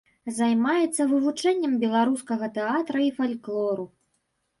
Займаецца вывучэннем беларускага тэатра і фальклору.